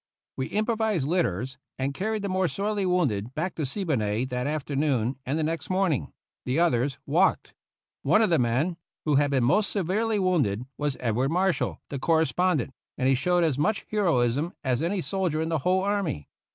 We improvised litters, and carried the more sorely wounded back to Siboney that afternoon and the next morning; the others walked. One 106 GENERAL YOUNG'S FIGHT of the men who had been most severely wounded was Edward Marshall, the correspondent, and he showed as much heroism as any soldier in the whole army.